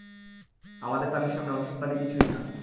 আমাদের তালির সামনে অন্যসব তালি কিছুই না।